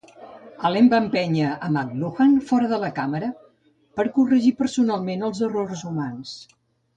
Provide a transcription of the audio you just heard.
Allen va empènyer en McLuhan fora de la càmera per corregir personalment els erros humans.